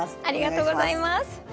ありがとうございます。